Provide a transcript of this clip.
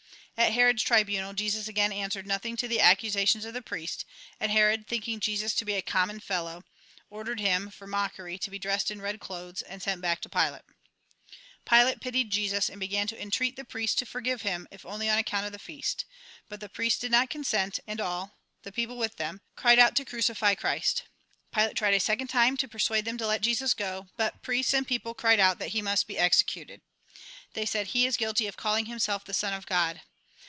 At Herod's tribunal, Jesus again answered nothing to the accusations of the priests ; and Herod, thinking Jesus to be a common fellow, ordered him, for mockery, to be dressed in red clothes, and sent back to Pilate. Pilate pitied Jesus, and began to entreat the priests to forgive him, if only on account of the feast. But the priests did not consent, and all — the people with them — cried out to crucify Christ. Pilate tried a second time to persuade them to let Jesus go ; but priests and people cried out that he must be executed. They said :" He is guilty of calling himself the Son of God."